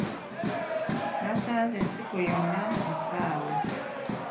Nasanze ensiko yonna nsaawe.